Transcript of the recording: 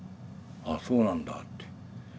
あそうなんだって。